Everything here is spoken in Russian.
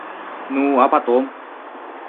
Ну, а потом?